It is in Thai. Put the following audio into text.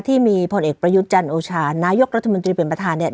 ที่มีผลเอกประยุทธ์จันโอชานายกรัฐมนตรีเป็นประธานเนี่ย